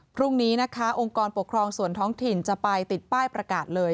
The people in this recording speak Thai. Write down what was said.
พรุ่งนี้นะคะองค์กรปกครองส่วนท้องถิ่นจะไปติดป้ายประกาศเลย